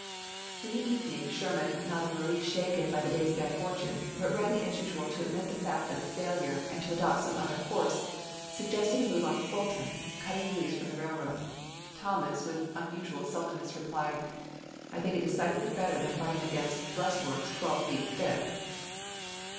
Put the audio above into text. In the evening Sherman, not in the least shaken by the day's bad fortune, but ready, as usual, to admit the fact of the failure, and to adopt some other course, suggested a move on Fulton, cutting loose from the railroad. Thomas, with unusual sullen ness, replied, "I think it decidedly better than ibid., p. 104. butting against breastworks twelve feet thick."